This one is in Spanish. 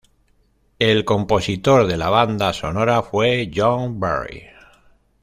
El compositor de la banda sonora fue John Barry.